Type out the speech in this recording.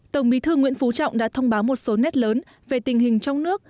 tổng bí thư nguyễn phú trọng đã thông báo một số nét lớn về tình hình trong nước